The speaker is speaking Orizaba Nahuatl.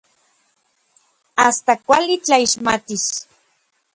Asta kuali tlaixmatis.